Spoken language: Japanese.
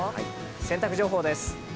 洗濯情報です。